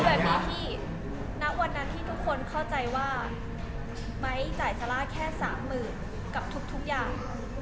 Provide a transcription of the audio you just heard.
แบบนี้พี่ณวันนั้นที่ทุกคนเข้าใจว่าไม้จ่ายซาร่าแค่สามหมื่นกับทุกอย่าง